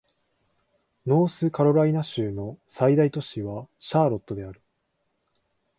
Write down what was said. ノースカロライナ州の最大都市はシャーロットである